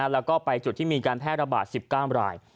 แล้วก็ไปจุดที่มีการแพร่ระบาด๑๙ราย